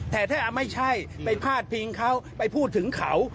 แต่ถ้าไม่ใช่ไปพาดพิงเขาไปพูดถึงเขา